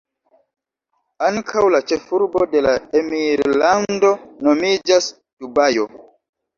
Ankaŭ la ĉefurbo de la emirlando nomiĝas Dubajo.